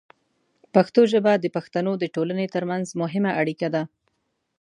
پښتو ژبه د پښتنو د ټولنې ترمنځ مهمه اړیکه ده.